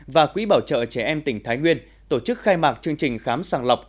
và quỹ bảo trợ trẻ em tỉnh thái nguyên tổ chức khai mạc chương trình khám sàng lọc